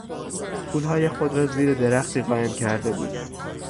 پولهای خود را زیر درختی قایم کرده بود.